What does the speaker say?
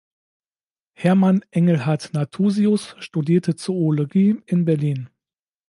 Hermann Engelhard Nathusius studierte Zoologie in Berlin.